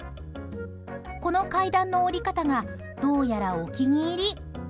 この階段の降り方がどうやらお気に入り。